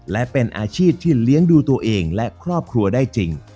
และเป็นอาชีพที่เลี้ยงดูตัวเองและครอบครัวได้จริง